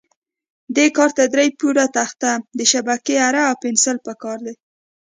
دې کار ته درې پوره تخته، د شبکې اره او پنسل په کار دي.